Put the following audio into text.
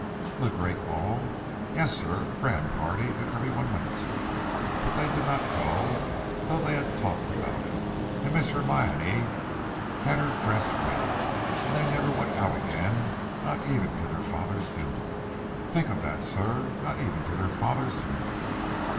"The great ball!" "Yes, sir, a grand party that every one went to. But they did not go, though they had talked about it, and Miss Hermione had her dress ready. And they never went out again, not even to their father's funeral. Think of that, sir, not even to their father's funeral."